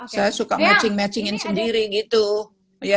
saya suka matching matching sendiri gitu ya